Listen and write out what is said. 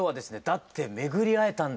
「だってめぐりえたんだ」